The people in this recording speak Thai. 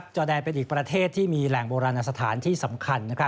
จอแดนเป็นอีกประเทศที่มีแหล่งโบราณสถานที่สำคัญ